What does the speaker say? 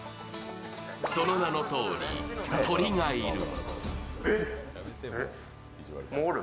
その名のとおり、鳥がいる。